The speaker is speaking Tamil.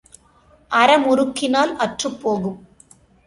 அற முறுக்கினால் அற்றுப் போகும்.